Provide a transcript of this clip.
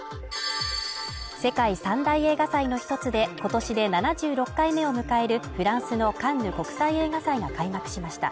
世界三大映画祭の一つで、今年で７６回目を迎えるフランスのカンヌ国際映画祭が開幕しました。